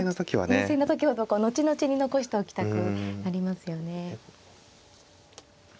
優勢の時ほど後々に残しておきたくなりますよね。